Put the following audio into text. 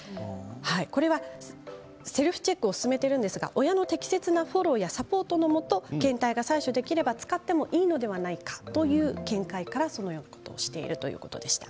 これは、セルフチェックを勧めているんですが親の適切なフォローやサポートのもと検体が採取できれば使ってもいいのではないかという見解から、そのようなことをしているということでした。